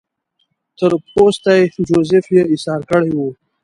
تور پوستی جوزیف یې ایسار کړی وو.